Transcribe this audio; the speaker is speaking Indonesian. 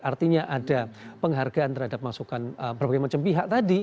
artinya ada penghargaan terhadap masukan berbagai macam pihak tadi